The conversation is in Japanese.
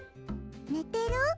ねてる？